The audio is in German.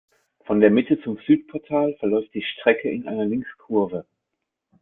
Von der Mitte zum Südportal verläuft die Strecke in einer Linkskurve.